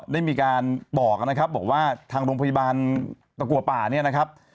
ได้มีการบอกนะครับบอกว่าทางโรงพยาบาลตะกัวป่าเนี่ยนะครับ